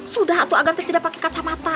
sudah waktu agan tuh tidak pakai kacamata